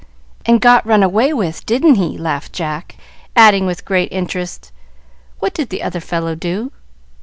"And got run away with, didn't he?" laughed Jack, adding, with great interest, "What did the other fellow do?"